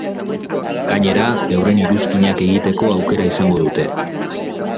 Gainera, euren iruzkinak egiteko aukera izango dute.